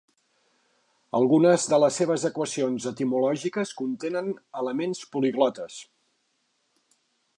Algunes de les seves equacions etimològiques contenen elements poliglotes.